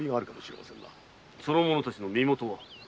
その者たちの身もとは？